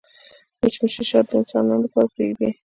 مچمچۍ شات د انسانانو لپاره پرېږدي